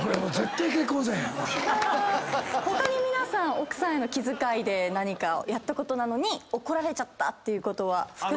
他に皆さん奥さんへの気遣いで何かやったことなのに怒られちゃったっていうことは？